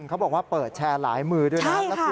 เขาบอกว่าเปิดแชร์หลายมือด้วยนะ